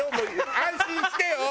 安心してよ。